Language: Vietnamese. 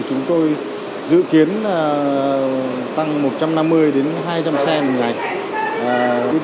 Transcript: chúng tôi dự kiến tăng một trăm năm mươi đến hai trăm linh xe một ngày